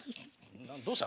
どうした？